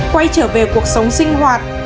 quay trở về cuộc sống sinh hoạt